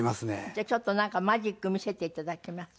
じゃあちょっとなんかマジック見せて頂けます？